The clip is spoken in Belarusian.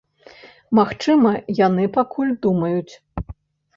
Магчыма, яны пакуль думаюць.